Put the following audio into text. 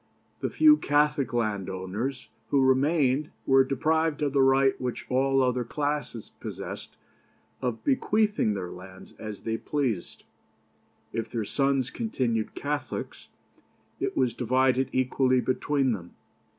The few Catholic landowners who remained were deprived of the right which all other classes possessed of bequeathing their lands as they pleased. If their sons continued Catholics, it was divided equally between them.